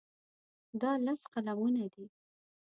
دا لس قلمونه دي.